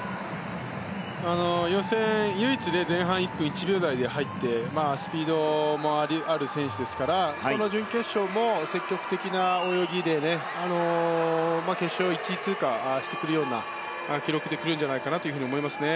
予選、唯一前半１分１秒台で入ってスピードもある選手ですからこの準決勝も積極的な泳ぎで決勝１位通過してくるような記録で来るんじゃないかなと思いますね。